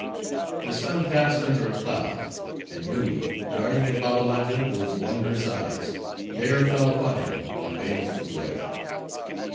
The sun passed under a cloud; and Nulli, darting at Babbalanja those wondrous eyes, there fell upon him a baleful glare.